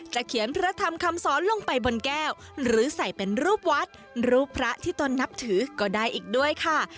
เขียนพระธรรมคำสอนลงไปบนแก้วหรือใส่เป็นรูปวัดรูปพระที่ตนนับถือก็ได้อีกด้วยค่ะ